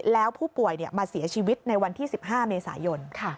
แล้วผู้ป่วยมาเสียชีวิตในวันที่๑๕เมษายน